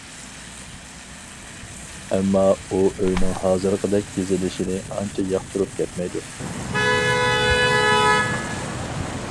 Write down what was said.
ئەمما ئۇ ئۆينىڭ ھازىرقىدەك بېزىلىشىنى ئانچە ياقتۇرۇپ كەتمەيدۇ.